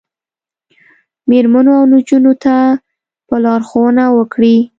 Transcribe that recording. میرمنو او نجونو ته به لارښوونه وکړي